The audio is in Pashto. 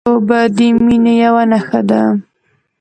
اوبه د مینې یوه نښه ده.